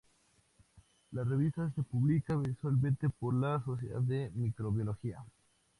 La revista se publica mensualmente por la Sociedad de Microbiología.